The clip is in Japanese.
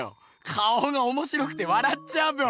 顔がおもしろくてわらっちゃうっぺよ。